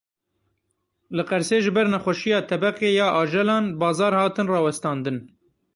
Li Qersê ji ber nexweşiya tebeqê ya ajelan, bazar hatin rawestandin.